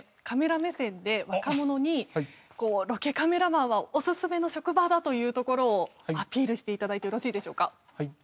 カメラ目線で若者にロケカメラマンはオススメの職場だというところをアピールして頂いてよろしいでしょうか？